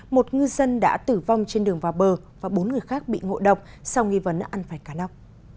một ngư dân đã tử vong trên đường vào bờ và bốn người khác bị ngộ độc sau nghi vấn ăn phải cá lóc